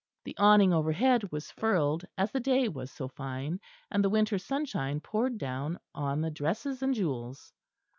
The awning overhead was furled, as the day was so fine, and the winter sunshine poured down on the dresses and jewels.